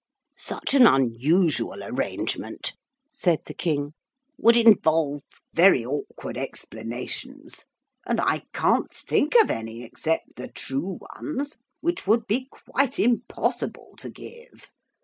'Such an unusual arrangement,' said the King, 'would involve very awkward explanations, and I can't think of any except the true ones, which would be quite impossible to give.